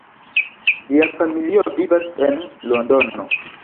Lia familio vivas en Londono.